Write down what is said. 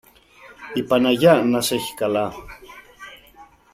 Η Παναγιά να σ' έχει καλά